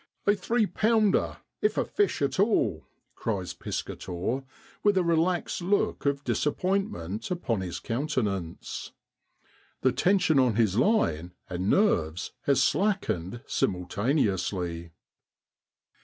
' A three pounder if a fish at all !' cries Piscator with a relaxed look of disappointment upon his countenance. The.tension on his line and nerves has slackened simultaneously.